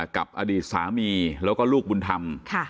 กับอดีตสามีแล้วก็ลูกบุญธรรม